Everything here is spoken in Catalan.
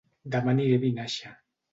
Dema aniré a Vinaixa